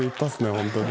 本当に。